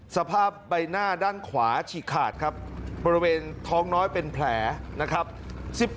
สภาพใบหน้าด้านขวาฉีกขาดครับบริเวณท้องน้อยเป็นแผลนะครับ